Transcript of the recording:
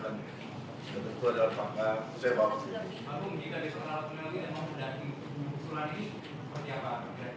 pak bung jika di sekolah peneliti emang sudah ditulis seperti apa kira kira